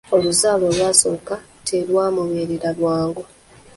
Oluzaalo olwasooka telwamubeerera lwangu.